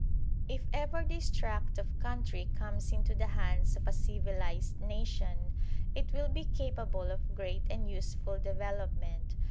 If ever this tract of country comes into the hands of a civilised nation, it will be capable of great and useful development.